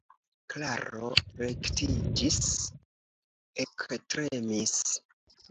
Klaro rektiĝis, ektremis.